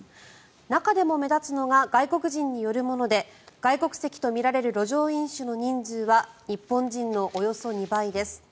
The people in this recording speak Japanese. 中でも目立つのが外国人によるもので外国籍と見られる路上飲酒の人数は日本人のおよそ２倍です。